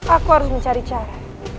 aku harus mencari cara